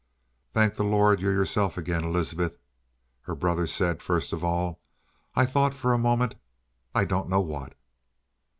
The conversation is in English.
"Thank the Lord you're yourself again, Elizabeth," her brother said first of all. "I thought for a moment I don't know what!"